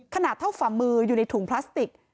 ขนาดเท่าฝ่ามืออยู่ในถุงพลาสติก